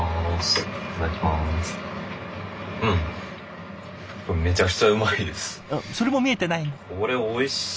うんそれも見えてない。